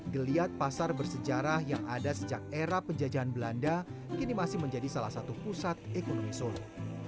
geliat pasar bersejarah yang ada sejak era penjajahan belanda kini masih menjadi salah satu pusat ekonomi solo